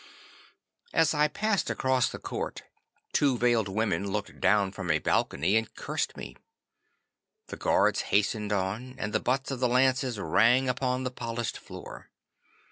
'As I passed across the court two veiled women looked down from a balcony and cursed me. The guards hastened on, and the butts of the lances rang upon the polished floor.